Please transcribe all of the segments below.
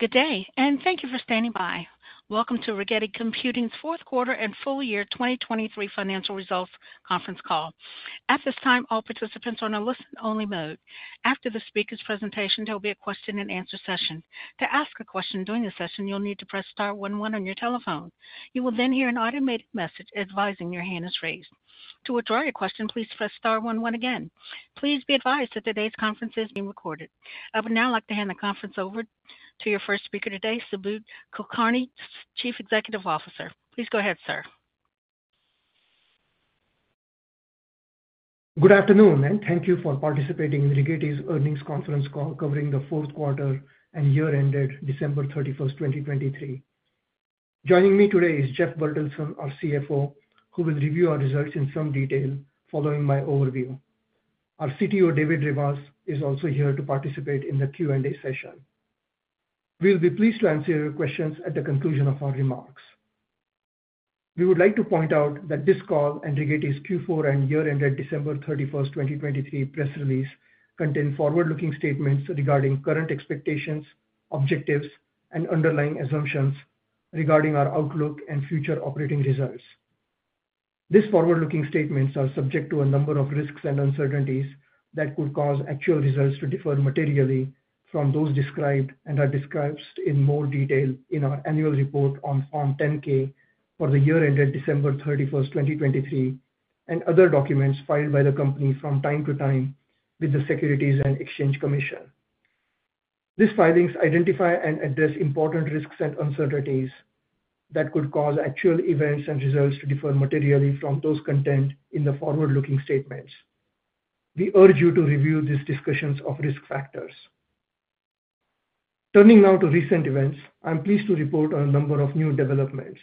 Good day, and thank you for standing by. Welcome to Rigetti Computing's fourth quarter and full year 2023 financial results conference call. At this time, all participants are in a listen-only mode. After the speaker's presentation, there will be a question-and-answer session. To ask a question during the session, you'll need to press star 11 on your telephone. You will then hear an automated message advising your hand is raised. To withdraw your question, please press star 11 again. Please be advised that today's conference is being recorded. I would now like to hand the conference over to your first speaker today, Subodh Kulkarni, Chief Executive Officer. Please go ahead, sir. Good afternoon, and thank you for participating in Rigetti's earnings conference call covering the fourth quarter and year-ended December 31, 2023. Joining me today is Jeff Bertelsen, our CFO, who will review our results in some detail following my overview. Our CTO, David Rivas, is also here to participate in the Q&A session. We'll be pleased to answer your questions at the conclusion of our remarks. We would like to point out that this call and Rigetti's Q4 and year-ended December 31, 2023 press release contain forward-looking statements regarding current expectations, objectives, and underlying assumptions regarding our outlook and future operating results. These forward-looking statements are subject to a number of risks and uncertainties that could cause actual results to differ materially from those described and are described in more detail in our annual report on Form 10-K for the year ended December 31, 2023, and other documents filed by the company from time to time with the Securities and Exchange Commission. These filings identify and address important risks and uncertainties that could cause actual events and results to differ materially from those contained in the forward-looking statements. We urge you to review these discussions of risk factors. Turning now to recent events, I'm pleased to report on a number of new developments.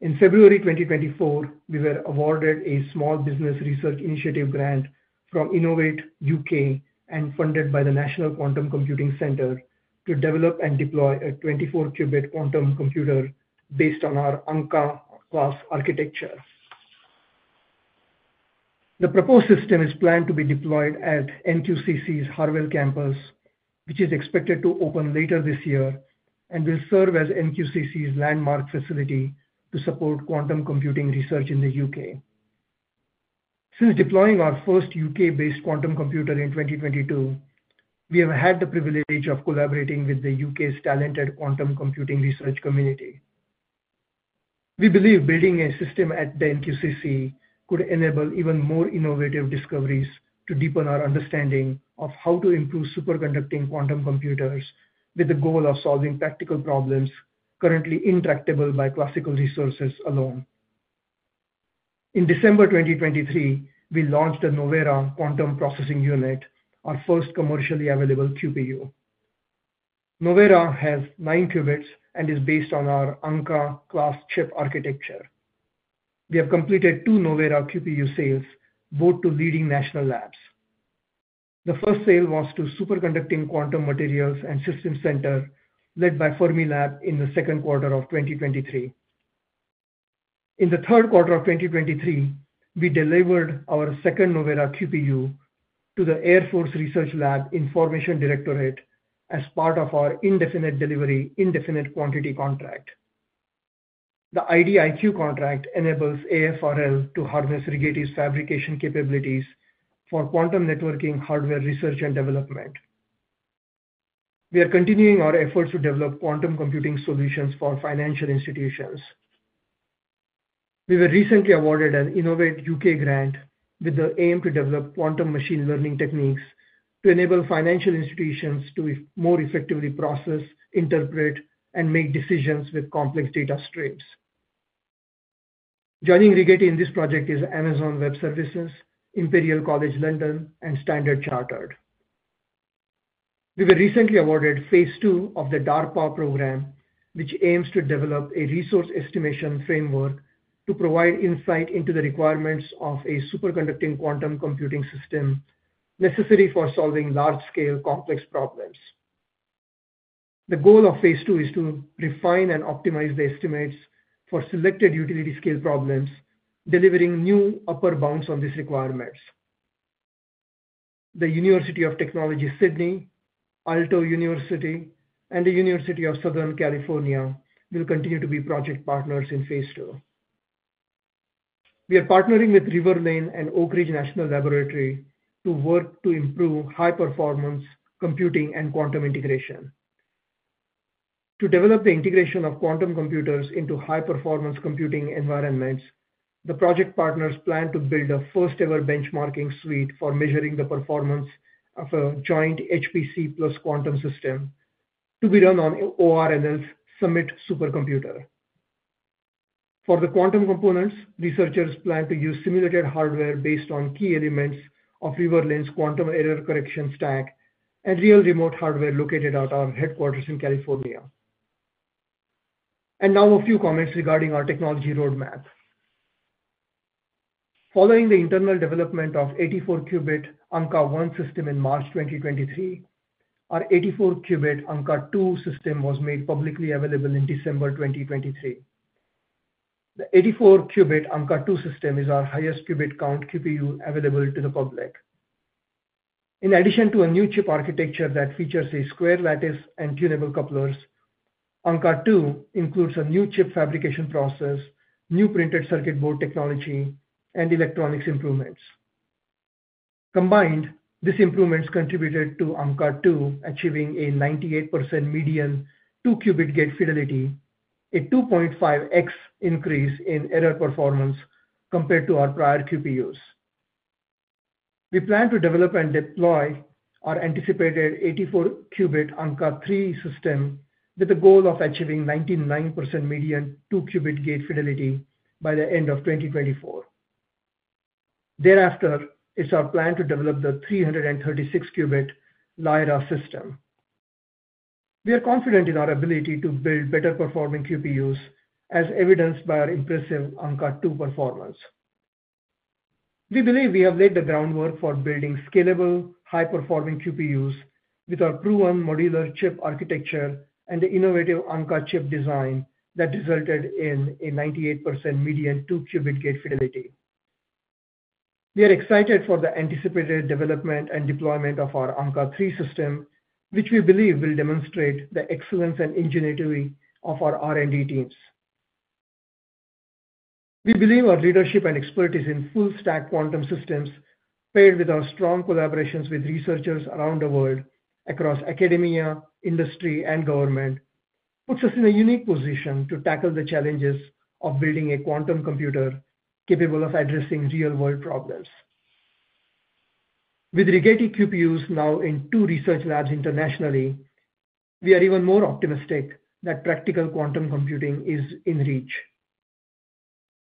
In February 2024, we were awarded a Small Business Research Initiative grant from Innovate UK and funded by the National Quantum Computing Centre to develop and deploy a 24-qubit quantum computer based on our Ankaa-class architecture. The proposed system is planned to be deployed at NQCC's Harwell campus, which is expected to open later this year and will serve as NQCC's landmark facility to support quantum computing research in the UK. Since deploying our first UK-based quantum computer in 2022, we have had the privilege of collaborating with the UK's talented quantum computing research community. We believe building a system at the NQCC could enable even more innovative discoveries to deepen our understanding of how to improve superconducting quantum computers with the goal of solving practical problems currently intractable by classical resources alone. In December 2023, we launched the Novera Quantum Processing Unit, our first commercially available QPU. Novera has nine qubits and is based on our Ankaa-class chip architecture. We have completed two Novera QPU sales, both to leading national labs. The first sale was to Superconducting Quantum Materials and Systems Center, led by Fermilab, in the second quarter of 2023. In the third quarter of 2023, we delivered our second Novera QPU to the Air Force Research Laboratory Information Directorate as part of our Indefinite Delivery Indefinite Quantity contract. The IDIQ contract enables AFRL to harness Rigetti's fabrication capabilities for quantum networking hardware research and development. We are continuing our efforts to develop quantum computing solutions for financial institutions. We were recently awarded an Innovate UK grant with the aim to develop quantum machine learning techniques to enable financial institutions to more effectively process, interpret, and make decisions with complex data streams. Joining Rigetti in this project is Amazon Web Services, Imperial College London, and Standard Chartered. We were recently awarded Phase 2 of the DARPA program, which aims to develop a resource estimation framework to provide insight into the requirements of a superconducting quantum computing system necessary for solving large-scale, complex problems. The goal of Phase 2 is to refine and optimize the estimates for selected utility-scale problems, delivering new upper bounds on these requirements. The University of Technology Sydney, Aalto University, and the University of Southern California will continue to be project partners in Phase 2. We are partnering with Riverlane and Oak Ridge National Laboratory to work to improve high-performance computing and quantum integration. To develop the integration of quantum computers into high-performance computing environments, the project partners plan to build a first-ever benchmarking suite for measuring the performance of a joint HPC+ quantum system to be run on ORNL's Summit supercomputer. For the quantum components, researchers plan to use simulated hardware based on key elements of Riverlane's quantum error correction stack and real remote hardware located at our headquarters in California. And now a few comments regarding our technology roadmap. Following the internal development of 84-qubit Ankaa-1 system in March 2023, our 84-qubit Ankaa-2 system was made publicly available in December 2023. The 84-qubit Ankaa-2 system is our highest qubit count QPU available to the public. In addition to a new chip architecture that features a square lattice and tunable couplers, Ankaa-2 includes a new chip fabrication process, new printed circuit board technology, and electronics improvements. Combined, these improvements contributed to Ankaa-2 achieving a 98% median 2-qubit gate fidelity, a 2.5x increase in error performance compared to our prior QPUs. We plan to develop and deploy our anticipated 84-qubit Ankaa-3 system with the goal of achieving 99% median 2-qubit gate fidelity by the end of 2024. Thereafter, it's our plan to develop the 336-qubit Lyra system. We are confident in our ability to build better-performing QPUs, as evidenced by our impressive Ankaa-2 performance. We believe we have laid the groundwork for building scalable, high-performing QPUs with our proven modular chip architecture and the innovative Ankaa chip design that resulted in a 98% median 2-qubit gate fidelity. We are excited for the anticipated development and deployment of our Ankaa-3 system, which we believe will demonstrate the excellence and ingenuity of our R&D teams. We believe our leadership and expertise in full-stack quantum systems, paired with our strong collaborations with researchers around the world across academia, industry, and government, puts us in a unique position to tackle the challenges of building a quantum computer capable of addressing real-world problems. With Rigetti QPUs now in two research labs internationally, we are even more optimistic that practical quantum computing is in reach.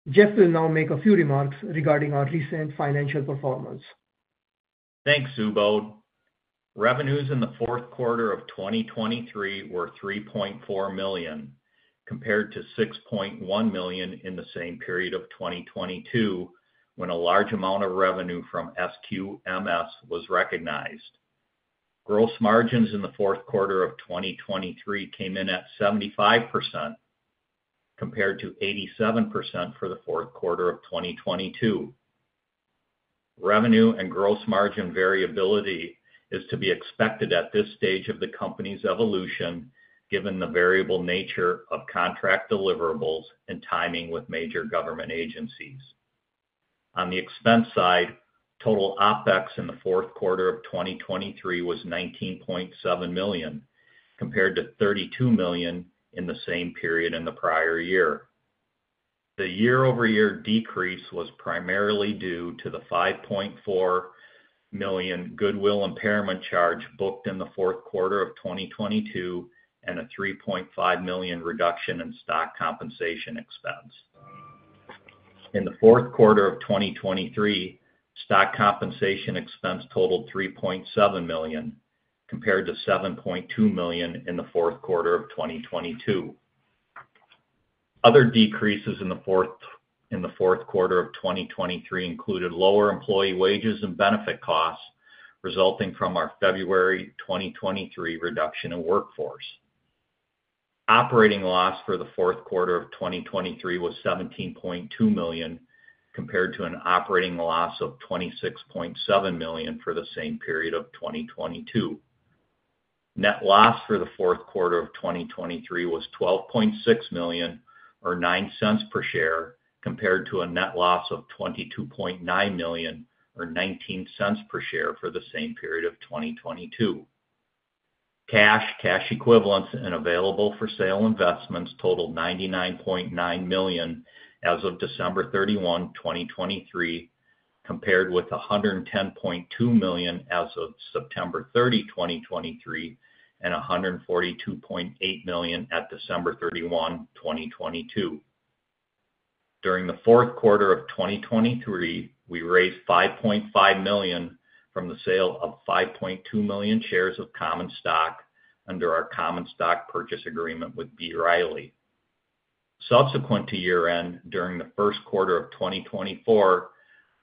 Jeff will now make a few remarks regarding our recent financial performance. Thanks, Subodh. Revenues in the fourth quarter of 2023 were $3.4 million, compared to $6.1 million in the same period of 2022 when a large amount of revenue from SQMS was recognized. Gross margins in the fourth quarter of 2023 came in at 75%, compared to 87% for the fourth quarter of 2022. Revenue and gross margin variability is to be expected at this stage of the company's evolution, given the variable nature of contract deliverables and timing with major government agencies. On the expense side, total OpEx in the fourth quarter of 2023 was $19.7 million, compared to $32 million in the same period in the prior year. The year-over-year decrease was primarily due to the $5.4 million goodwill impairment charge booked in the fourth quarter of 2022 and a $3.5 million reduction in stock compensation expense. In the fourth quarter of 2023, stock compensation expense totaled $3.7 million, compared to $7.2 million in the fourth quarter of 2022. Other decreases in the fourth quarter of 2023 included lower employee wages and benefit costs resulting from our February 2023 reduction in workforce. Operating loss for the fourth quarter of 2023 was $17.2 million, compared to an operating loss of $26.7 million for the same period of 2022. Net loss for the fourth quarter of 2023 was $12.6 million, or $0.09 per share, compared to a net loss of $22.9 million, or $0.19 per share for the same period of 2022. Cash, cash equivalents, and available-for-sale investments totaled $99.9 million as of December 31, 2023, compared with $110.2 million as of September 30, 2023, and $142.8 million at December 31, 2022. During the fourth quarter of 2023, we raised $5.5 million from the sale of 5.2 million shares of common stock under our common stock purchase agreement with B. Riley. Subsequent to year-end, during the first quarter of 2024,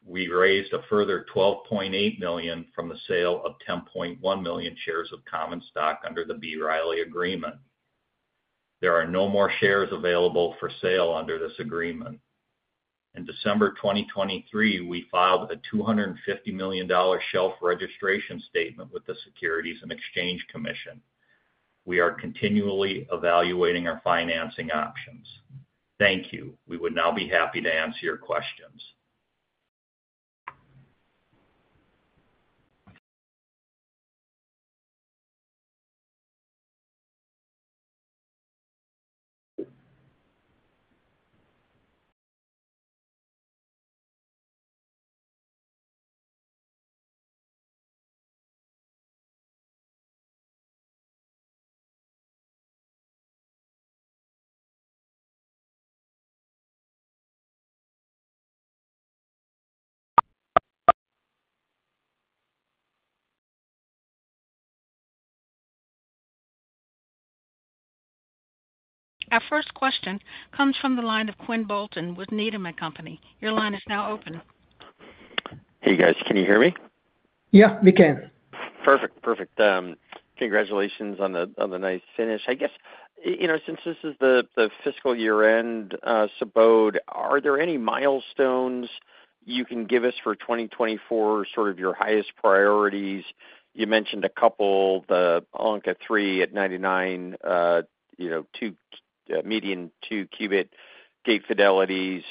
we raised a further $12.8 million from the sale of 10.1 million shares of common stock under the B. Riley agreement. There are no more shares available for sale under this agreement. In December 2023, we filed a $250 million shelf registration statement with the Securities and Exchange Commission. We are continually evaluating our financing options. Thank you. We would now be happy to answer your questions. Our first question comes from the line of Quinn Bolton with Needham & Company. Your line is now open. Hey, guys. Can you hear me? Yeah, we can. Perfect. Perfect. Congratulations on the nice finish. I guess, since this is the fiscal year-end, Subodh, are there any milestones you can give us for 2024, sort of your highest priorities? You mentioned a couple, the Ankaa-3 at 99% median 2-qubit gate fidelity,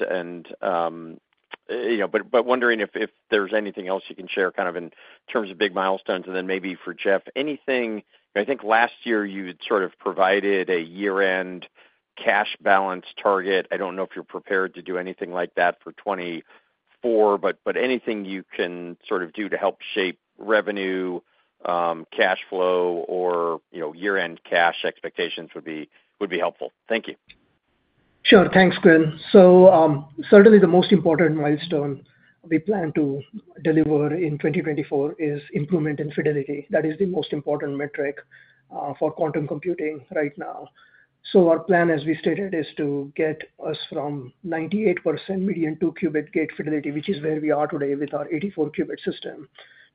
but wondering if there's anything else you can share kind of in terms of big milestones. Then maybe for Jeff, anything I think last year you had sort of provided a year-end cash balance target. I don't know if you're prepared to do anything like that for 2024, but anything you can sort of do to help shape revenue, cash flow, or year-end cash expectations would be helpful. Thank you. Sure. Thanks, Quinn. So certainly, the most important milestone we plan to deliver in 2024 is improvement in fidelity. That is the most important metric for quantum computing right now. So our plan, as we stated, is to get us from 98% median 2-qubit gate fidelity, which is where we are today with our 84-qubit system,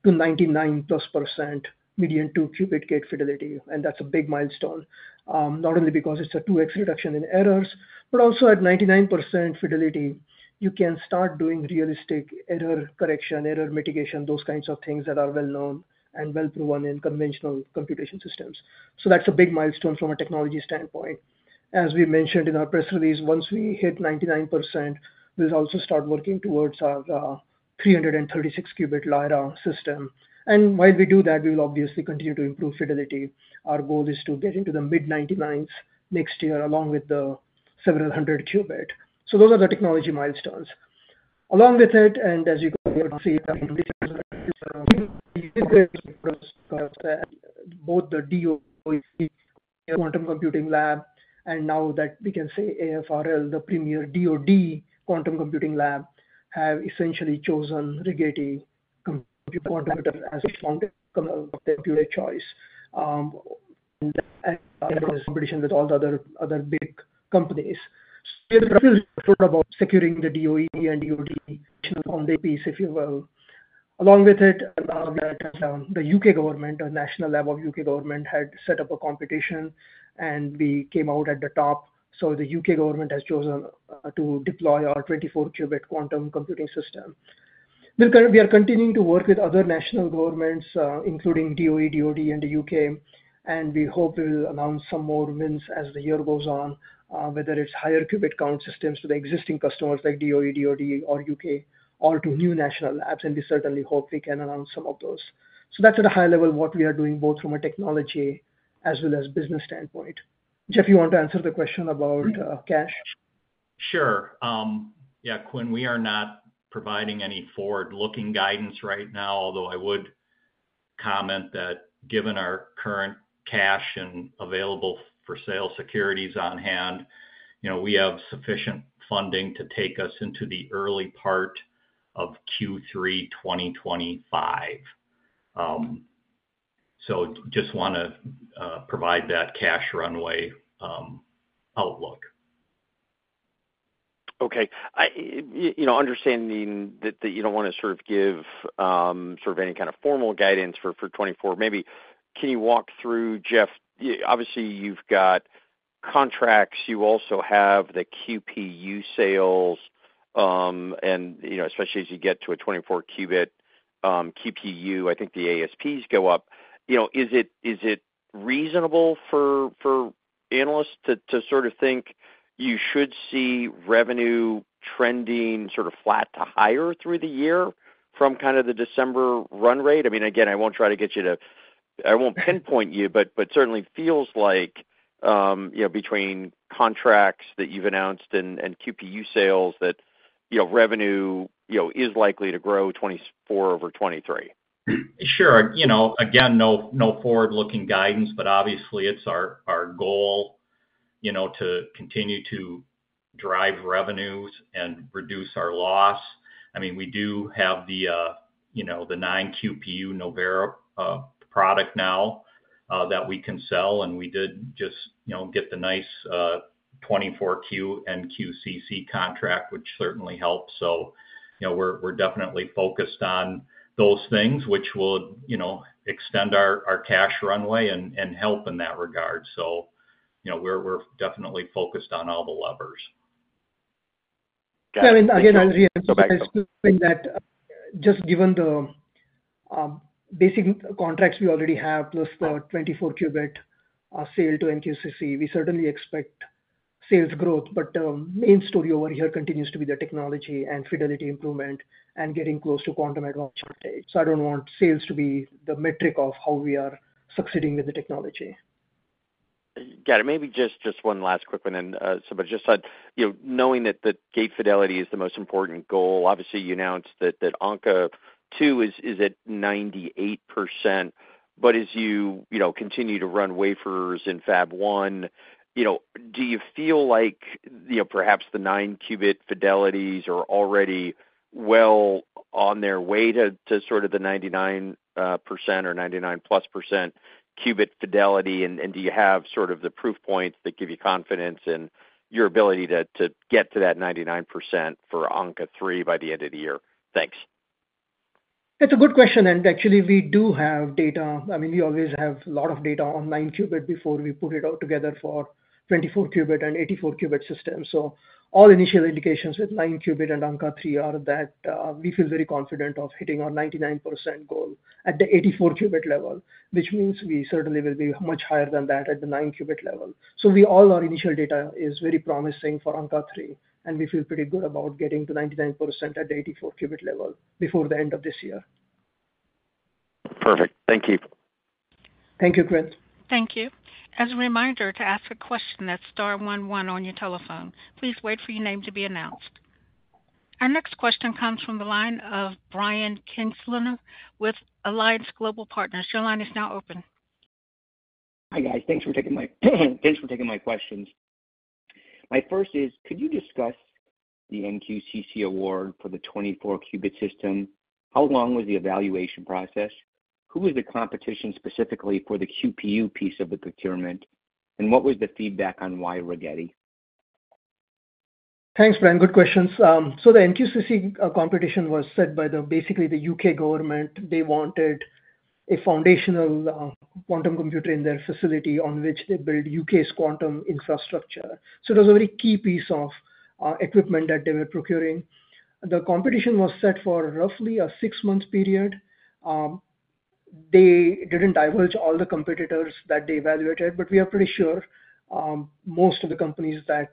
to 99%+ median 2-qubit gate fidelity. And that's a big milestone, not only because it's a 2x reduction in errors, but also at 99% fidelity, you can start doing realistic error correction, error mitigation, those kinds of things that are well-known and well-proven in conventional computation systems. So that's a big milestone from a technology standpoint. As we mentioned in our press release, once we hit 99%, we'll also start working towards our 336-qubit Lyra system. And while we do that, we will obviously continue to improve fidelity. Our goal is to get into the mid-99% next year, along with the several hundred qubit. So those are the technology milestones. Along with it, and as you can see, both the DOE, the premier quantum computing lab, and now that we can say AFRL, the premier DoD quantum computing lab, have essentially chosen Rigetti Computing as the vendor of their computer choice, and in competition with all the other big companies. So we are still sort of about securing the DOE and DoD national funding piece, if you will. Along with it, the U.K. government, the national lab of U.K. government, had set up a competition, and we came out at the top. So the U.K. government has chosen to deploy our 24-qubit quantum computing system. We are continuing to work with other national governments, including DOE, DOD, and the UK, and we hope we will announce some more wins as the year goes on, whether it's higher qubit count systems to the existing customers like DOE, DOD, or UK, or to new national labs. We certainly hope we can announce some of those. That's, at a high level, what we are doing, both from a technology as well as business standpoint. Jeff, you want to answer the question about cash? Sure. Yeah, Quinn, we are not providing any forward-looking guidance right now, although I would comment that given our current cash and available-for-sale securities on hand, we have sufficient funding to take us into the early part of Q3 2025. So just want to provide that cash runway outlook. Okay. Understanding that you don't want to sort of give sort of any kind of formal guidance for 2024, maybe can you walk through, Jeff obviously, you've got contracts. You also have the QPU sales. And especially as you get to a 24-qubit QPU, I think the ASPs go up. Is it reasonable for analysts to sort of think you should see revenue trending sort of flat to higher through the year from kind of the December run rate? I mean, again, I won't try to get you to I won't pinpoint you, but certainly feels like between contracts that you've announced and QPU sales, that revenue is likely to grow 2024 over 2023. Sure. Again, no forward-looking guidance, but obviously, it's our goal to continue to drive revenues and reduce our loss. I mean, we do have the 9-qubit Novera QPU product now that we can sell, and we did just get the nice 24-qubit NQCC contract, which certainly helped. So we're definitely focused on those things, which will extend our cash runway and help in that regard. So we're definitely focused on all the levers. I mean, again, I'd reassure you by assuming that just given the basic contracts we already have plus the 24-qubit sale to NQCC, we certainly expect sales growth. But the main story over here continues to be the technology and fidelity improvement and getting close to quantum advantage. So I don't want sales to be the metric of how we are succeeding with the technology. Got it. Maybe just one last quick one, then. But just knowing that gate fidelity is the most important goal, obviously, you announced that Ankaa-2 is at 98%. But as you continue to run wafers in Fab-1, do you feel like perhaps the 9-qubit fidelities are already well on their way to sort of the 99% or 99%+ qubit fidelity? And do you have sort of the proof points that give you confidence in your ability to get to that 99% for Ankaa-3 by the end of the year? Thanks. It's a good question. Actually, we do have data. I mean, we always have a lot of data on 9-qubit before we put it all together for 24-qubit and 84-qubit systems. So all initial indications with 9-qubit and Ankaa-3 are that we feel very confident of hitting our 99% goal at the 84-qubit level, which means we certainly will be much higher than that at the 9-qubit level. So all our initial data is very promising for Ankaa-3, and we feel pretty good about getting to 99% at the 84-qubit level before the end of this year. Perfect. Thank you. Thank you, Quinn. Thank you. As a reminder, to ask a question, that's star 11 on your telephone. Please wait for your name to be announced. Our next question comes from the line of Brian Kinstlinger with Alliance Global Partners. Your line is now open. Hi, guys. Thanks for taking my questions. My first is, could you discuss the NQCC award for the 24-qubit system? How long was the evaluation process? Who was the competition specifically for the QPU piece of the procurement? And what was the feedback on why Rigetti? Thanks, Brian. Good questions. So the NQCC competition was set by, basically, the U.K. government. They wanted a foundational quantum computer in their facility on which they build U.K.'s quantum infrastructure. So it was a very key piece of equipment that they were procuring. The competition was set for roughly a six-month period. They didn't divulge all the competitors that they evaluated, but we are pretty sure most of the companies that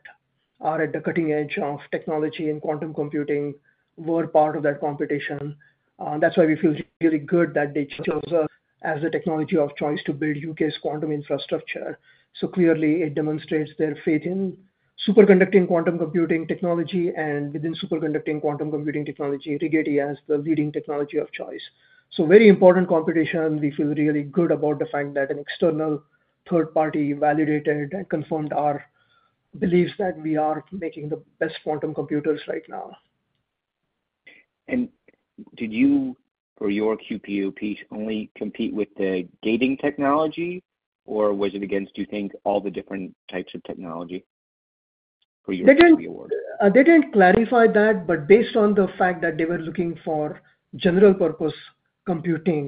are at the cutting edge of technology and quantum computing were part of that competition. That's why we feel really good that they chose us as the technology of choice to build U.K.'s quantum infrastructure. So clearly, it demonstrates their faith in superconducting quantum computing technology and within superconducting quantum computing technology, Rigetti as the leading technology of choice. So very important competition. We feel really good about the fact that an external third party validated and confirmed our beliefs that we are making the best quantum computers right now. Did you or your QPU piece only compete with the gating technology, or was it against, do you think, all the different types of technology for your QPU award? They didn't clarify that. But based on the fact that they were looking for general-purpose computing,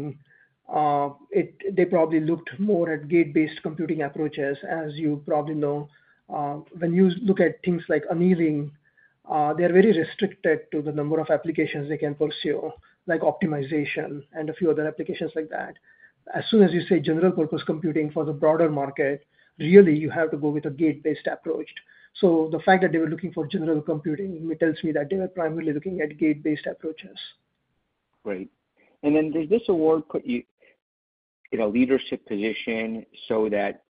they probably looked more at gate-based computing approaches. As you probably know, when you look at things like annealing, they are very restricted to the number of applications they can pursue, like optimization and a few other applications like that. As soon as you say general-purpose computing for the broader market, really, you have to go with a gate-based approach. So the fact that they were looking for general computing tells me that they were primarily looking at gate-based approaches. Great. And then does this award put you in a leadership position so that,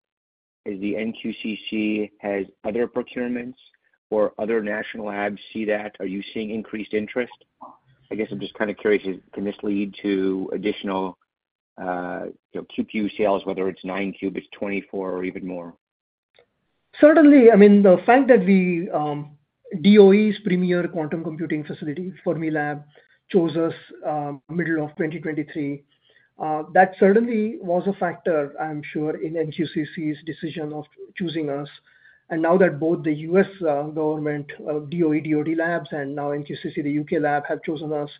as the NQCC has other procurements or other national labs see that, are you seeing increased interest? I guess I'm just kind of curious, can this lead to additional QPU sales, whether it's 9-qubit, 24-qubit, or even more? Certainly. I mean, the fact that DOE's Premier Quantum Computing Facility for Fermilab chose us middle of 2023, that certainly was a factor, I'm sure, in NQCC's decision of choosing us. And now that both the U.S. government, DOE, DOD labs, and now NQCC, the UK lab, have chosen us,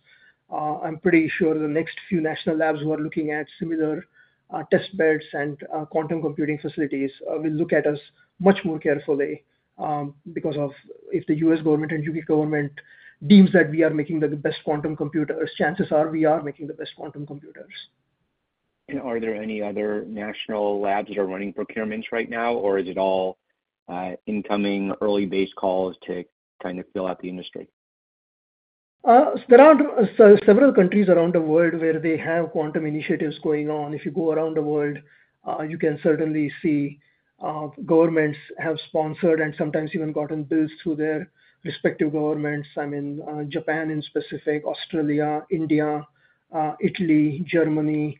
I'm pretty sure the next few national labs who are looking at similar test beds and quantum computing facilities will look at us much more carefully because if the U.S. government and UK government deems that we are making the best quantum computers, chances are we are making the best quantum computers. Are there any other national labs that are running procurements right now, or is it all incoming early-based calls to kind of fill out the industry? There are several countries around the world where they have quantum initiatives going on. If you go around the world, you can certainly see governments have sponsored and sometimes even gotten bills through their respective governments. I mean, Japan in specific, Australia, India, Italy, Germany,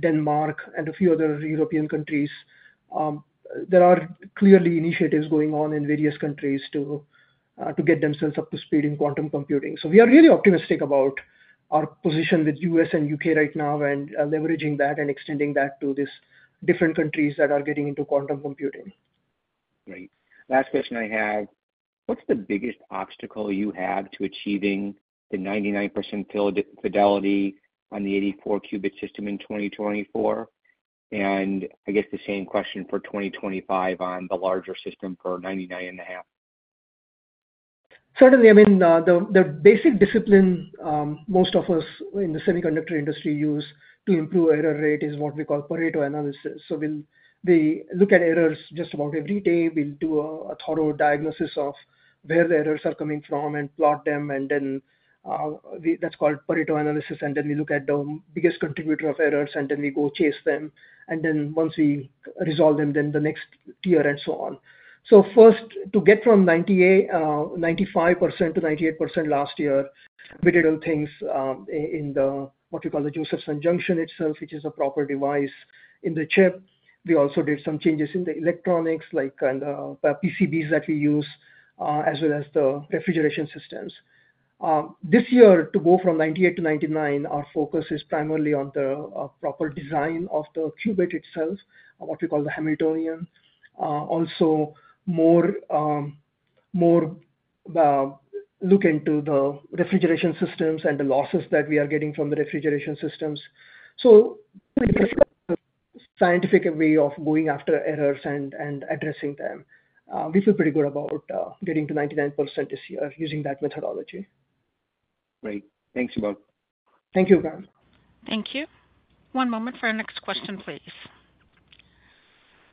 Denmark, and a few other European countries. There are clearly initiatives going on in various countries to get themselves up to speed in quantum computing. So we are really optimistic about our position with the U.S. and U.K. right now and leveraging that and extending that to these different countries that are getting into quantum computing. Great. Last question I have. What's the biggest obstacle you have to achieving the 99% fidelity on the 84-qubit system in 2024? And I guess the same question for 2025 on the larger system for 99.5%. Certainly. I mean, the basic discipline most of us in the semiconductor industry use to improve error rate is what we call Pareto analysis. We look at errors just about every day. We'll do a thorough diagnosis of where the errors are coming from and plot them. That's called Pareto analysis. We look at the biggest contributor of errors, and then we go chase them. Once we resolve them, then the next tier and so on. First, to get from 95%-98% last year, we did little things in what we call the Josephson junction itself, which is a proper device in the chip. We also did some changes in the electronics and the PCBs that we use, as well as the refrigeration systems. This year, to go from 98%-99%, our focus is primarily on the proper design of the qubit itself, what we call the Hamiltonian. Also, more look into the refrigeration systems and the losses that we are getting from the refrigeration systems. So really scientific way of going after errors and addressing them. We feel pretty good about getting to 99% this year using that methodology. Great. Thanks, Subodh. Thank you, Brian. Thank you. One moment for our next question, please.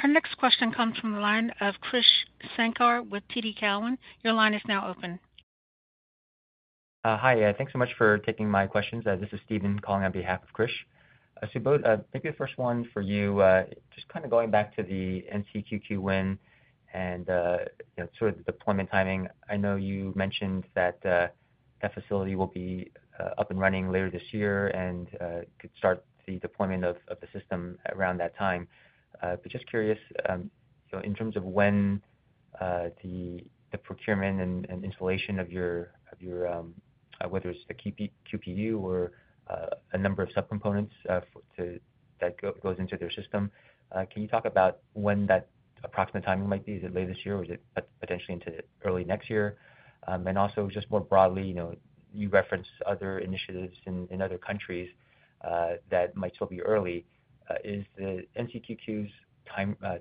Our next question comes from the line of Krish Sankar with TD Cowen. Your line is now open. Hi. Thanks so much for taking my questions. This is Stephen calling on behalf of Krish. Subodh, maybe the first one for you, just kind of going back to the NQCC win and sort of the deployment timing. I know you mentioned that that facility will be up and running later this year and could start the deployment of the system around that time. But just curious, in terms of when the procurement and installation of your whether it's the QPU or a number of subcomponents that goes into their system, can you talk about when that approximate timing might be? Is it late this year, or is it potentially into early next year? And also, just more broadly, you referenced other initiatives in other countries that might still be early. Is the NQCC's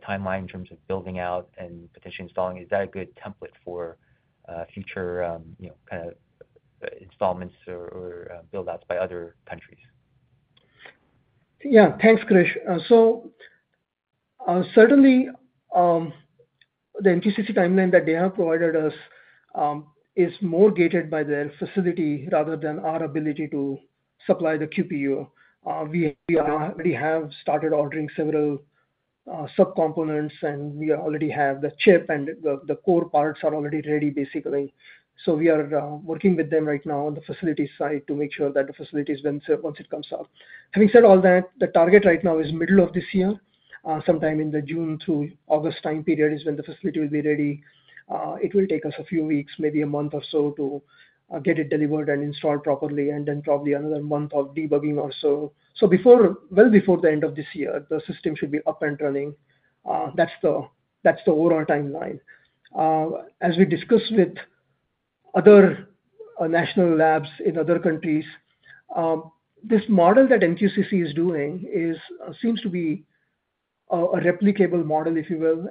timeline in terms of building out and potentially installing, is that a good template for future kind of installments or buildouts by other countries? Yeah. Thanks, Krish. So certainly, the NQCC timeline that they have provided us is more gated by their facility rather than our ability to supply the QPU. We already have started ordering several subcomponents, and we already have the chip, and the core parts are already ready, basically. So we are working with them right now on the facility side to make sure that the facility is once it comes up. Having said all that, the target right now is middle of this year. Sometime in the June through August time period is when the facility will be ready. It will take us a few weeks, maybe a month or so, to get it delivered and installed properly, and then probably another month of debugging or so. So well before the end of this year, the system should be up and running. That's the overall timeline. As we discussed with other national labs in other countries, this model that NQCC is doing seems to be a replicable model, if you will.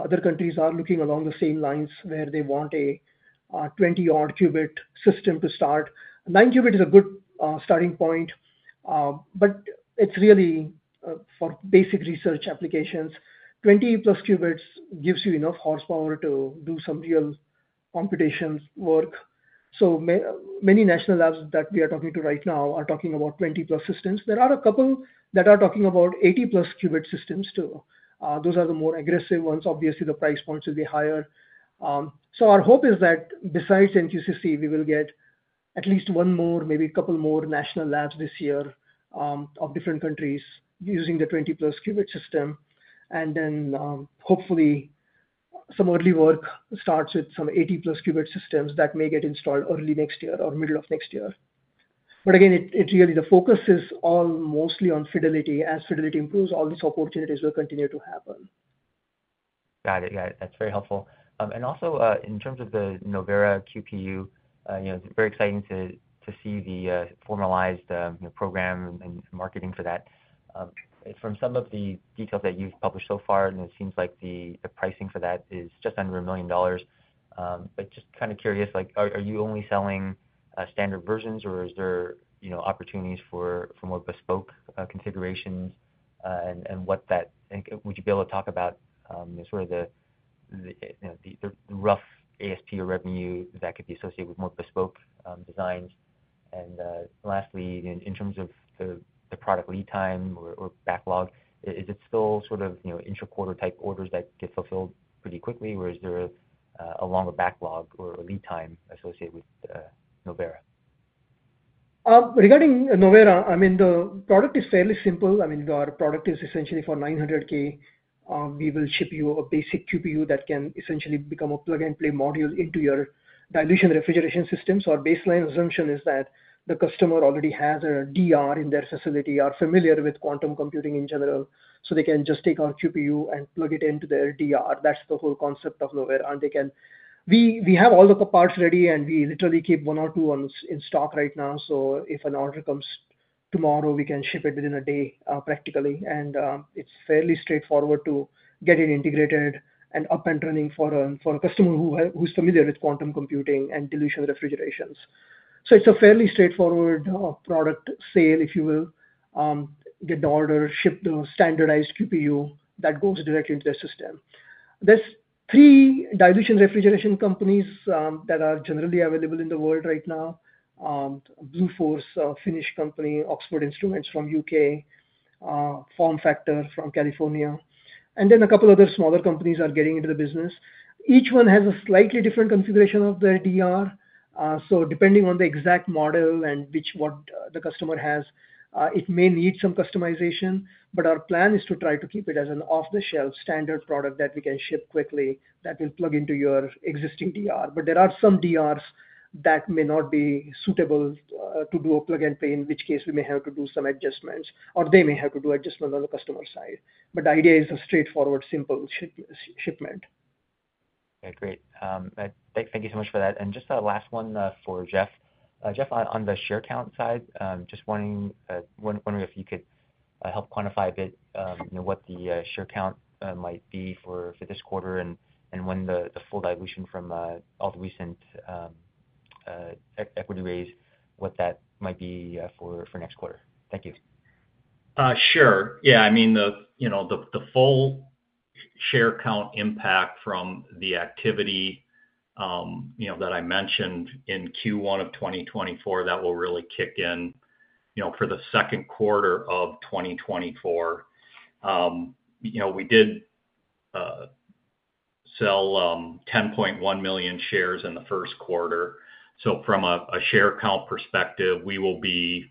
Other countries are looking along the same lines where they want a 20-odd-qubit system to start. 9-qubit is a good starting point. But it's really, for basic research applications, 20+ qubits gives you enough horsepower to do some real computation work. Many national labs that we are talking to right now are talking about 20+ systems. There are a couple that are talking about 80+ qubit systems, too. Those are the more aggressive ones. Obviously, the price points will be higher. Our hope is that, besides NQCC, we will get at least one more, maybe a couple more national labs this year of different countries using the 20+ qubit system. Then hopefully, some early work starts with some 80+ qubit systems that may get installed early next year or middle of next year. But again, really, the focus is almost solely on fidelity. As fidelity improves, all these opportunities will continue to happen. Got it. Got it. That's very helpful. And also, in terms of the Novera QPU, it's very exciting to see the formalized program and marketing for that. From some of the details that you've published so far, it seems like the pricing for that is just under $1 million. But just kind of curious, are you only selling standard versions, or is there opportunities for more bespoke configurations? And would you be able to talk about sort of the rough ASP or revenue that could be associated with more bespoke designs? And lastly, in terms of the product lead time or backlog, is it still sort of intra-quarter type orders that get fulfilled pretty quickly, or is there a longer backlog or lead time associated with Novera? Regarding Novera, I mean, the product is fairly simple. I mean, our product is essentially for $900K. We will ship you a basic QPU that can essentially become a plug-and-play module into your dilution refrigerator systems. Our baseline assumption is that the customer already has a DR in their facility, are familiar with quantum computing in general, so they can just take our QPU and plug it into their DR. That's the whole concept of Novera. And we have all the parts ready, and we literally keep one or two in stock right now. So if an order comes tomorrow, we can ship it within a day, practically. And it's fairly straightforward to get it integrated and up and running for a customer who's familiar with quantum computing and dilution refrigerators. So it's a fairly straightforward product sale, if you will, get the order, ship the standardized QPU that goes directly into their system. There are three dilution refrigerator companies that are generally available in the world right now: Bluefors, a Finnish company; Oxford Instruments from U.K.; FormFactor from California; and then a couple other smaller companies are getting into the business. Each one has a slightly different configuration of their DR. So depending on the exact model and what the customer has, it may need some customization. But our plan is to try to keep it as an off-the-shelf standard product that we can ship quickly that will plug into your existing DR. But there are some DRs that may not be suitable to do a plug-and-play, in which case we may have to do some adjustments, or they may have to do adjustments on the customer side. The idea is a straightforward, simple shipment. Great. Thank you so much for that. Just the last one for Jeff. Jeff, on the share count side, just wondering if you could help quantify a bit what the share count might be for this quarter and when the full dilution from all the recent equity raise, what that might be for next quarter? Thank you. Sure. Yeah. I mean, the full share count impact from the activity that I mentioned in Q1 of 2024, that will really kick in for the second quarter of 2024. We did sell 10.1 million shares in the first quarter. So from a share count perspective, we will be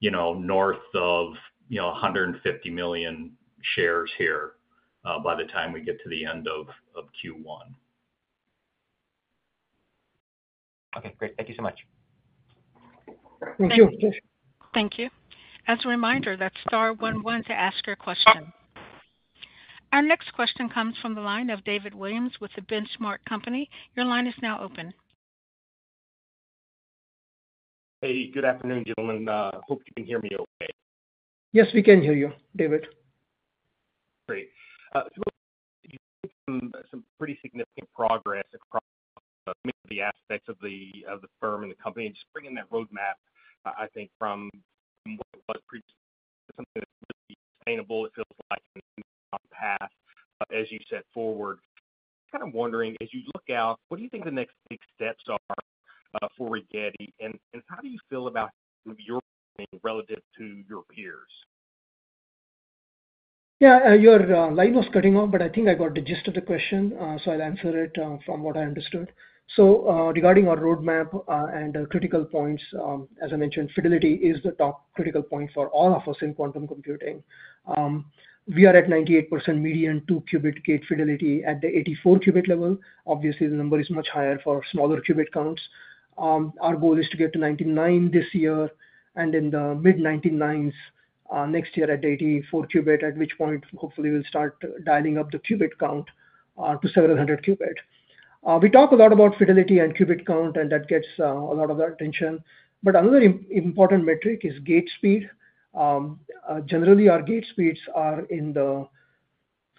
north of 150 million shares here by the time we get to the end of Q1. Okay. Great. Thank you so much. Thank you. Thank you. As a reminder, that's Star 11 to ask your question. Our next question comes from the line of David Williams with The Benchmark Company. Your line is now open. Hey. Good afternoon, gentlemen. Hope you can hear me okay. Yes, we can hear you, David. Great. You've made some pretty significant progress across many of the aspects of the firm and the company. Just bringing that roadmap, I think, from what it was previously, it's something that's really sustainable, it feels like, and a long path as you set forward. Kind of wondering, as you look out, what do you think the next big steps are for Rigetti? How do you feel about your company relative to your peers? Yeah. Your line was cutting off, but I think I got the gist of the question. So I'll answer it from what I understood. So regarding our roadmap and critical points, as I mentioned, fidelity is the top critical point for all of us in quantum computing. We are at 98% median 2-qubit gate fidelity at the 84-qubit level. Obviously, the number is much higher for smaller qubit counts. Our goal is to get to 99 this year and in the mid-99s next year at the 84-qubit, at which point, hopefully, we'll start dialing up the qubit count to 700-qubit. We talk a lot about fidelity and qubit count, and that gets a lot of attention. But another important metric is gate speed. Generally, our gate speeds are in the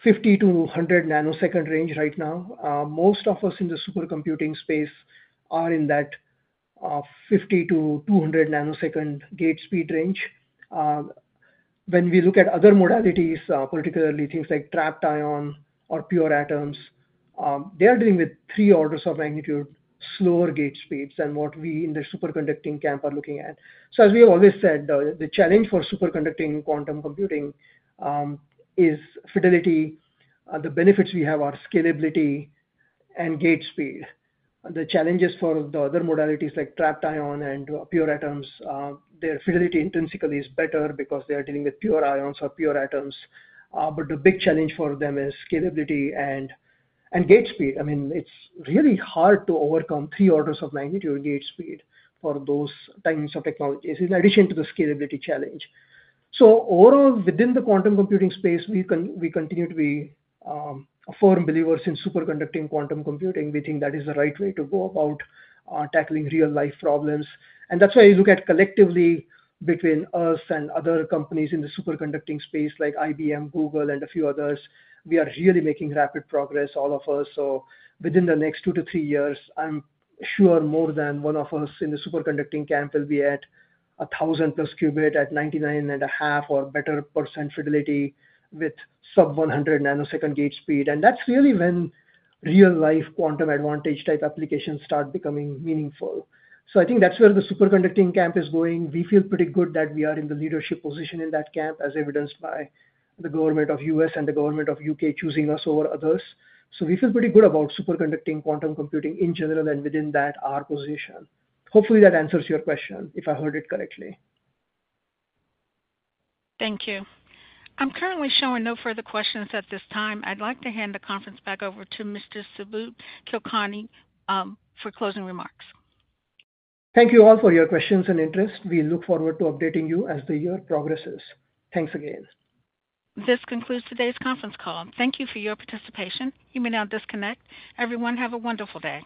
50-100 nanosecond range right now. Most of us in the supercomputing space are in that 50-200 nanosecond gate speed range. When we look at other modalities, particularly things like trapped ion or pure atoms, they are dealing with three orders of magnitude slower gate speeds than what we in the superconducting camp are looking at. So as we have always said, the challenge for superconducting quantum computing is fidelity. The benefits we have are scalability and gate speed. The challenges for the other modalities like trapped ion and pure atoms, their fidelity intrinsically is better because they are dealing with pure ions or pure atoms. But the big challenge for them is scalability and gate speed. I mean, it's really hard to overcome three orders of magnitude gate speed for those kinds of technologies, in addition to the scalability challenge. So overall, within the quantum computing space, we continue to be firm believers in superconducting quantum computing. We think that is the right way to go about tackling real-life problems. And that's why you look at collectively between us and other companies in the superconducting space like IBM, Google, and a few others, we are really making rapid progress, all of us. So within the next 2-3 years, I'm sure more than one of us in the superconducting camp will be at 1,000+ qubits, at 99.5% or better fidelity with sub-100 nanosecond gate speed. And that's really when real-life quantum advantage type applications start becoming meaningful. So I think that's where the superconducting camp is going. We feel pretty good that we are in the leadership position in that camp, as evidenced by the government of the U.S. and the government of the U.K. choosing us over others. So we feel pretty good about superconducting quantum computing in general and within that our position. Hopefully, that answers your question, if I heard it correctly. Thank you. I'm currently showing no further questions at this time. I'd like to hand the conference back over to Mr. Subodh Kulkarni for closing remarks. Thank you all for your questions and interest. We look forward to updating you as the year progresses. Thanks again. This concludes today's conference call. Thank you for your participation. You may now disconnect. Everyone, have a wonderful day.